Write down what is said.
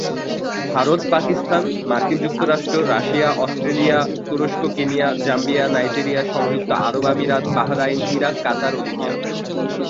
ভারত, পাকিস্তান, মার্কিন যুক্তরাষ্ট্র, Russia, Australia, তুরস্ক, কেনিয়া, জাম্বিয়া, নাইজেরিয়া, সংযুক্ত আরব আমিরাত, বাহরাইন, ইরাক, কাতার ও লিবিয়া।